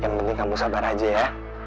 yang penting kamu sabar aja ya